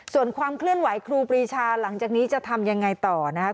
ส่วนความเคลื่อนไหวครูปรีชาหลังจากนี้จะทำยังไงต่อนะครับ